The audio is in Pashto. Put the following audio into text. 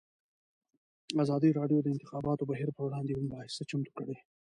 ازادي راډیو د د انتخاباتو بهیر پر وړاندې یوه مباحثه چمتو کړې.